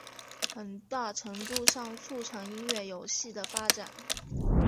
很大程度上促成音乐游戏的发展。